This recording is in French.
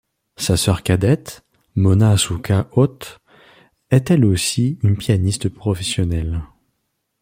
Sa sœur cadette, Mona Asuka Ott, est elle aussi une pianiste professionnelle.